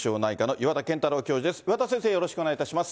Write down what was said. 岩田先生、よろしくお願いいたします。